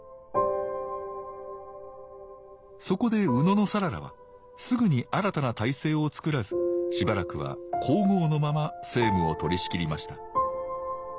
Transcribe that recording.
そこで野讃良はすぐに新たな体制をつくらずしばらくは皇后のまま政務を取りしきりました。